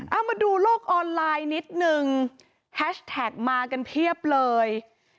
เอามาดูโลกออนไลนนิดนึงมากันเพียบเลย